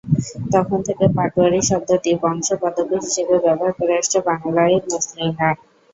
তখন থেকে পাটোয়ারী শব্দটি বংশ পদবী হিসেবে ব্যবহার করে আসছে বাঙ্গালী মুসলিমরা।